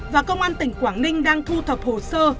và công an tỉnh quảng ninh đang thu thập hồ sơ